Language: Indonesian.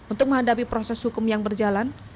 untuk menghadapi proses hukum yang berjalan